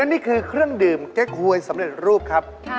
นี่คือเครื่องดื่มเก๊กหวยสำเร็จรูปครับ